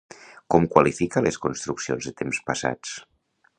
Com qualifica les construccions de temps passats?